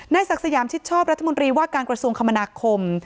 ศักดิ์สยามชิดชอบรัฐมนตรีว่าการกระทรวงคมนาคม